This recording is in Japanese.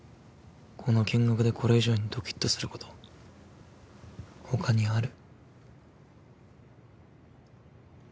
この金額でこれ以上にドキッとすること他にある？